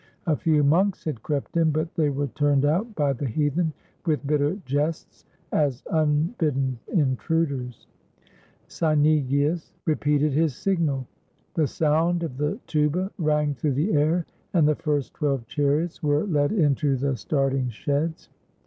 A few monks had crept in, but they were turned out by the heathen with bitter jests, as unbidden intruders. Cynegius repeated his signal. The sound of the tuba rang through the air, and the first twelve chariots were 498 THE WINNING OF THE FIRST MISSUS led into the starting sheds.